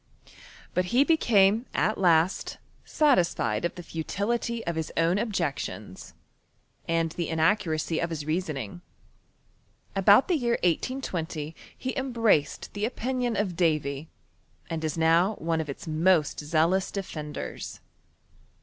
But be became at last satisfied of the futility of hii own objections, aud the inaccuracy of his reasoning. About the year 1S20 he embraced the opitiioD of Davy, and is now one of its most zealous defenders.